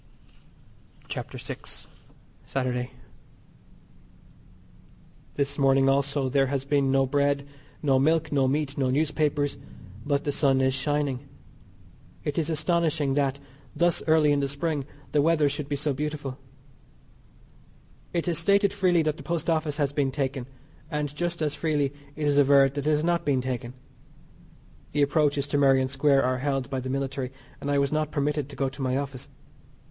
CHAPTER VI. SATURDAY. This morning also there has been no bread, no milk, no meat, no newspapers, but the sun is shining. It is astonishing that, thus early in the Spring, the weather should be so beautiful. It is stated freely that the Post Office has been taken, and just as freely it is averred that it has not been taken. The approaches to Merrion Square are held by the military, and I was not permitted to go to my office.